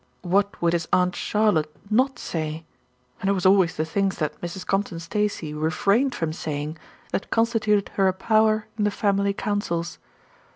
What would his Aunt Charlotte not say, and it was always the things that Mrs. Compton Stacey refrained from saying that con stituted her a power in the family councils.